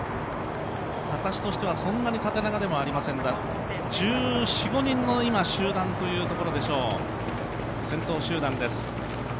形としてはそんなに縦長ではありませんが今、１４１５人の集団というところでしょう、先頭集団です。